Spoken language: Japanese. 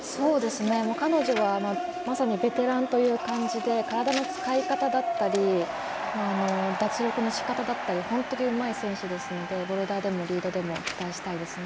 彼女はまさにベテランという感じで体の使い方だったり脱力のしかただったり本当にうまい選手ですのでボルダーでもリードでも期待したいですよね。